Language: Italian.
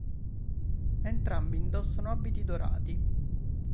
Entrambi indossano abiti dorati.